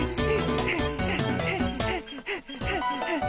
はあはあはあはあ。